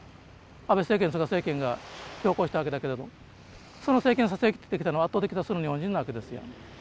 安倍政権菅政権が強行したわけだけれどその政権支えてきたのは圧倒的多数の日本人なわけですよ。